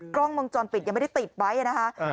กล้องวงจรปิดยังไม่ได้ติดไว้นะคะ